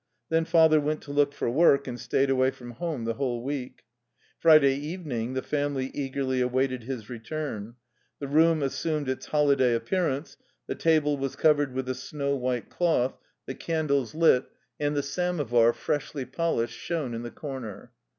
Then father went to look for work, and stayed away from home the whole week. Friday evening the family eagerly awaited his return. The room assumed its holiday appearance; the table was covered with a snow white cloth, the candles lit, 8 THE LIFE STOEY OF A RUSSIAN EXILE and the samovar, freshly polished, shone in the corner.